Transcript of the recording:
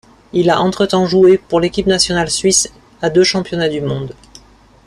Il a entre-temps joué pour l'équipe nationale suisse à deux championnats du monde.